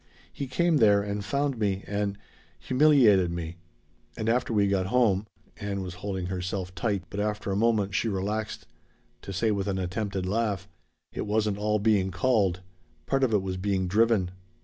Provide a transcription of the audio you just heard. He came there and found me, and humiliated me. And after we got home " Ann was holding herself tight, but after a moment she relaxed to say with an attempted laugh: "It wasn't all being 'called.' Part of it was being driven.